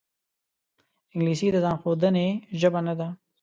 انګلیسي د ځان ښودنې ژبه نه ده